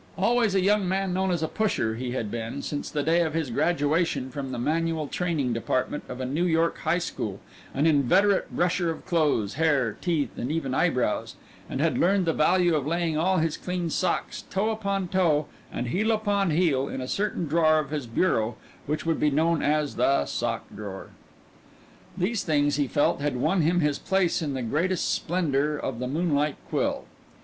Always a young man known as a "pusher," he had been, since the day of his graduation from the manual training department of a New York High School, an inveterate brusher of clothes, hair, teeth, and even eyebrows, and had learned the value of laying all his clean socks toe upon toe and heel upon heel in a certain drawer of his bureau, which would be known as the sock drawer. These things, he felt, had won him his place in the greatest splendor of the Moonlight Quill.